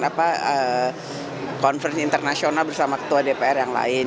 apa conference internasional bersama ketua dpr yang lain